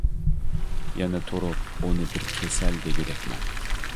يەنە تۇرۇپ ئۇنى بىر كېسەل دېگۈدەكمەن.